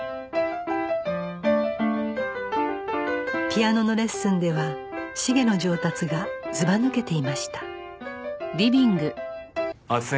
ピアノのレッスンでは繁の上達がずば抜けていました